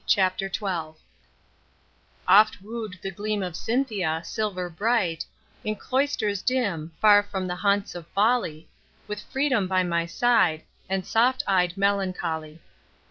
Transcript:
CHAPTER XII Oft woo'd the gleam of Cynthia, silver bright, In cloisters dim, far from the haunts of Folly, With Freedom by my side, and soft ey'd Melancholy.